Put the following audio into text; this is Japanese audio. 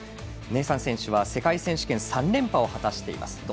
ネイサン選手は世界選手権３連覇を果たしています。